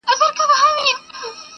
چي مغلوبه سي تیاره رڼا ځلېږي،